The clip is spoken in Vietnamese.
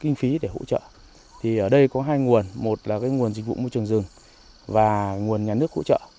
kinh phí để hỗ trợ thì ở đây có hai nguồn một là cái nguồn dịch vụ môi trường rừng và nguồn nhà nước hỗ trợ